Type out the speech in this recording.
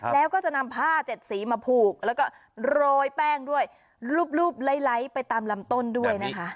แล้วก็จะนำผ้าเจ็ดสีมาผูกแล้วก็โรยแป้งด้วยรูปไลท์ไปตามลำต้นด้วยนะคะ